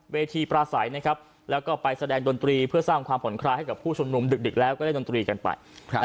เวทีปลาใสแล้วก็ไปแสดงดนตรีเพื่อสร้างความผลคลายให้กับผู้ชนมดึกแล้วก็เล่นดนตรีกันไป